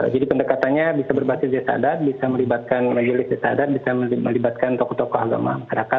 jadi pendekatannya bisa berbasis desa adat bisa melibatkan majelis desa adat bisa melibatkan tokoh tokoh agama